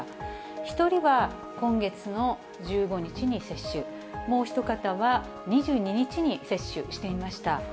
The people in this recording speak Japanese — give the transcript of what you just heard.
１人は今月の１５日に接種、もう一方は、２２日に接種していました。